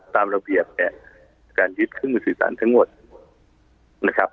ตามระเบียบเนี่ยการยึดเครื่องมือสื่อสารทั้งหมดนะครับ